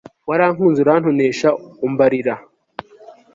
warankunze urantonesha, umbarira